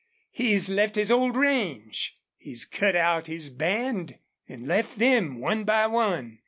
He's left his old range. He's cut out his band, an' left them, one by one.